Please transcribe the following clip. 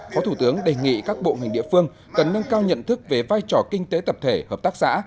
phó thủ tướng đề nghị các bộ ngành địa phương cần nâng cao nhận thức về vai trò kinh tế tập thể hợp tác xã